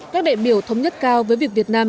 các đại biểu thống nhất cao với việc việt nam